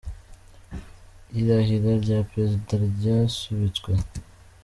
Irahira rya Perezida ryasubitswe